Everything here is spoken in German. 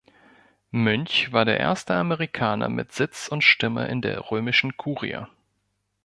Muench war der erste Amerikaner mit Sitz und Stimme in der römischen Kurie.